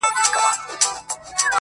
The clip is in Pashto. ته لاهو په تنهایی کي -